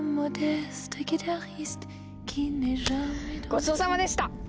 ごちそうさまでした！